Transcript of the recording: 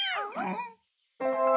ん？